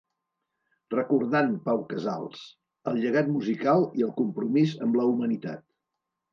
Recordant Pau Casals: el llegat musical i el compromís amb la humanitat.